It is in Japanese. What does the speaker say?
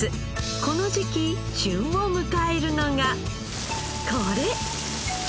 この時期旬を迎えるのがこれ！